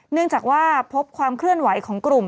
เนื่องจากว่าพบความเคลื่อนไหวของกลุ่ม